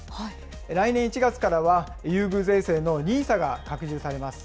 来年１月からは、優遇税制のＮＩＳＡが拡充されます。